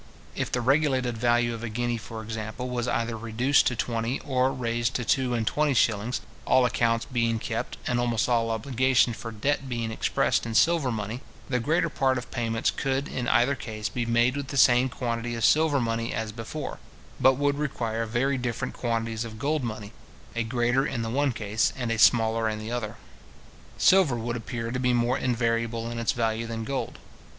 If the regulated value of a guinea, for example, was either reduced to twenty, or raised to two and twenty shillings, all accounts being kept, and almost all obligations for debt being expressed, in silver money, the greater part of payments could in either case be made with the same quantity of silver money as before; but would require very different quantities of gold money; a greater in the one case, and a smaller in the other. Silver would appear to be more invariable in its value than gold.